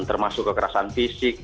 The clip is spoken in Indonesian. termasuk kekerasan fisik